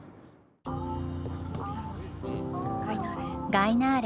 ガイナーレ